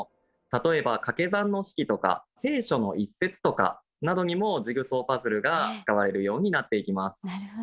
例えばかけ算の式とか「聖書」の一節とかなどにもジグソーパズルが使われるようになっていきます。